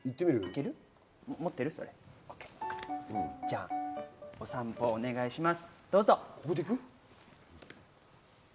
じゃあ、『さんぽ』お願いします。